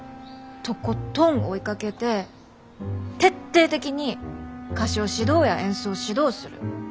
とことん追いかけて徹底的に歌唱指導や演奏指導する。